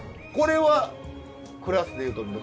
これはクラスでいうと。